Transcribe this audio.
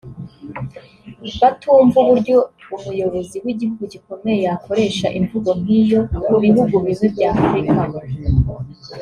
batumva uburyo umuyobozi w’igihugu gikomeye yakoresha imvugo nk’iyo ku bihugu bimwe bya Afurika